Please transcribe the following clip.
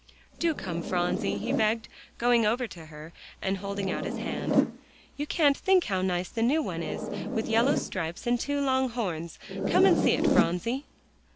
"Do come, Phronsie," he begged, going over to her, and holding out his hand. "You can't think how nice the new one is, with yellow stripes and two long horns. Come and see it, Phronsie."